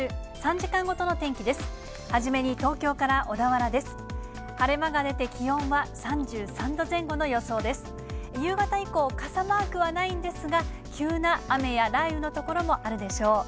夕方以降、傘マークはないんですが、急な雨や雷雨の所もあるでしょう。